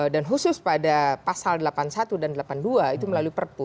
dan khusus pada pasal delapan puluh satu dan delapan puluh dua itu melalui perpu